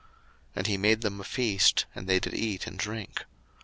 01:026:030 And he made them a feast, and they did eat and drink.